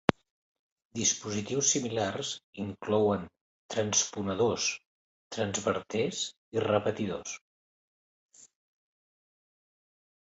Dispositius similars inclouen transponedors, transverters i repetidors.